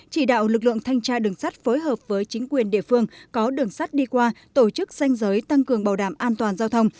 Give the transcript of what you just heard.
chỉ đạo lực lượng thanh tra đường sắt phối hợp với chính quyền địa phương có đường sắt đi qua tổ chức xanh giới tăng cường bảo đảm an toàn giao thông